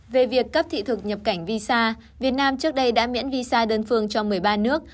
về việc cấp thị thực nhập cảnh visa việt nam trước đây đã miễn visa đơn phương cho một mươi ba nước